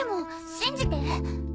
信じて。